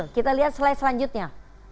kita lihat slide selanjutnya